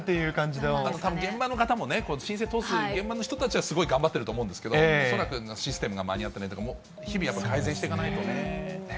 現場の方も、申請通す現場の人たちは、すごい頑張ってると思うんですけど、恐らくシステムが間に合ってないとか、もう日々、やっぱり改善していかないとねぇ。